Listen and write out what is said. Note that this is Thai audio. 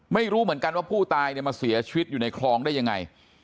ไม่รู้เหมือนกันว่าผู้ตายเนี่ยมาเสียชีวิตอยู่ในคลองได้ยังไง